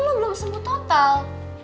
lo belum sembuh total